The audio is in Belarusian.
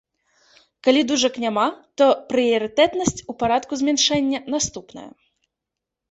Калі дужак няма, то прыярытэтнасць, у парадку змяншэння, наступная.